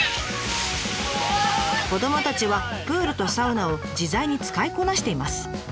子どもたちはプールとサウナを自在に使いこなしています。